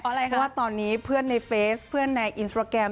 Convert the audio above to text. อะไรคะว่าตอนนี้เพื่อนในเฟซเพื่อนในอินสตราแกรม